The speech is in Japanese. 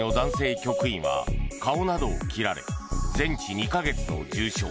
局員は顔などを切られ全治２か月の重傷。